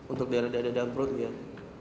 untuk dada dada dan perut